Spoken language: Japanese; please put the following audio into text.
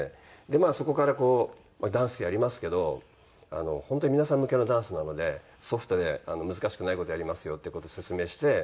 まあそこからこうダンスやりますけど本当に皆さん向けのダンスなのでソフトで難しくない事やりますよっていう事を説明して。